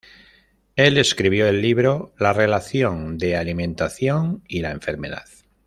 Él escribió el libro "La relación de Alimentación y la enfermedad".